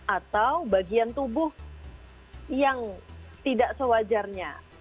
atau bagian tubuh yang tidak sewajarnya